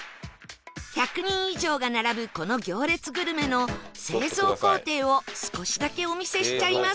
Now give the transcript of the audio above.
１００人以上が並ぶこの行列グルメの製造工程を少しだけお見せしちゃいます